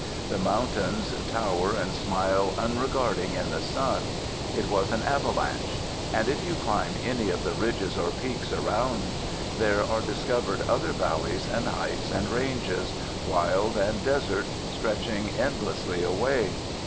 The mountains tower and smile unregarding in the sun. It was an avalanche. And if you climb any of the ridges or peaks around, there are discovered other valleys and heights and ranges, wild and desert, stretching endlessly away.